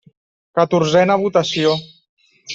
Catorzena votació.